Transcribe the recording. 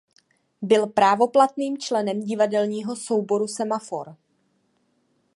Byl právoplatným členem divadelního souboru Semafor.